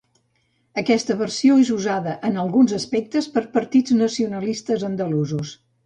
Aquesta versió és usada en alguns actes per partits nacionalistes andalusos.